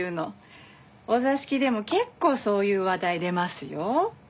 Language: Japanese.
お座敷でも結構そういう話題出ますよ。